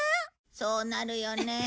そうなるよね。